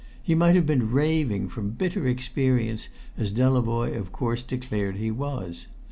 He might have been raving from bitter experience, as Delavoye of course declared he was.